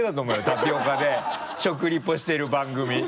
タピオカで食リポしてる番組。